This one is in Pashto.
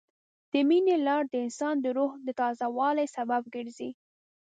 د مینې لار د انسان د روح د تازه والي سبب ګرځي.